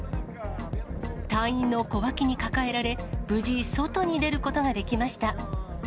隊員の小脇に抱えられ、無事、外に出ることができました。